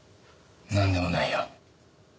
なんでもないよ。